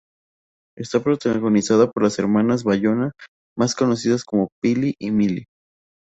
Está protagonizada por las hermanas Bayona, más conocidas por "Pili y Mili".